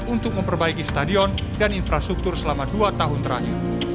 untuk memperbaiki stadion dan infrastruktur selama dua tahun terakhir